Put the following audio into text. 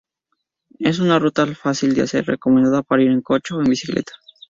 Es una ruta fácil de hacer, recomendada para ir en coche o en bicicleta.